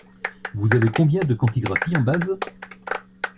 Vous avez combien de quantigraphies en base?